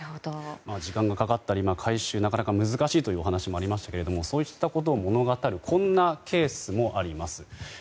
時間がかかったり回収が難しいというお話もありましたけれどもそういったことを物語るこんなケースもあります。